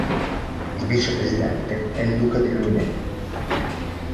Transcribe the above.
Il vice presidente è il duca di Luynes.